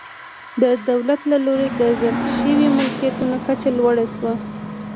د دولت له لوري د ضبط شویو ملکیتونو کچه لوړه شوه.